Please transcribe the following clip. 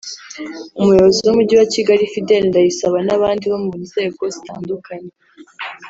Umuyobozi w’Umujyi wa Kigali Fidèle Ndayisaba n’abandi bo mu nzego zitandukanye